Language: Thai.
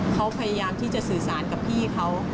เขาพยายามที่จะสื่อสารกับพี่เขา